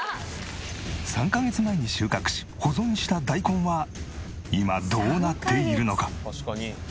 ３カ月前に収穫し保存した大根は今どうなっているのか？